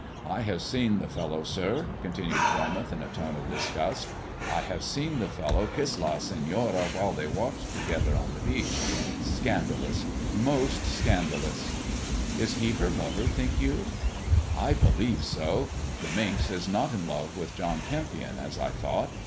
I have seen the fellow, sir," continued Tormouth, in a tone of disgust — "I have seen the fellow kiss La 1 THE JESUIT AlfD THE MEXICAN COIN 295 Se&ora while they walked together on the beach. Scanda lous I moBt scandalous I "" Is he her lover, think you 1 "" I believe so ! The minx is not in !ove with John Kempion, as I thought.